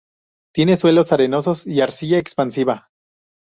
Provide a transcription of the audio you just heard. Tiene suelos arenosos y arcilla expansiva.